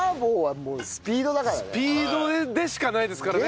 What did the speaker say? スピードでしかないですからね。